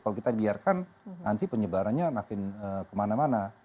kalau kita biarkan nanti penyebarannya makin kemana mana